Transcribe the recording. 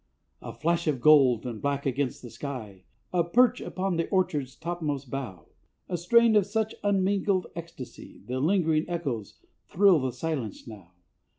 A flash of gold and black against the sky, A perch upon the orchard's topmost bough, A strain of such unmingled ecstasy, The lingering echoes thrill the silence now.